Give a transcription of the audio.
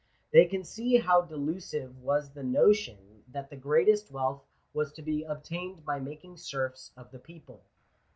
They can see how delusive was the notion that the greatest wealth was to be obtained by making serfs of the people.